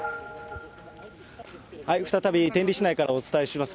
再び天理市内からお伝えします。